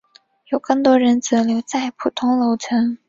有更多人则留在普通楼层。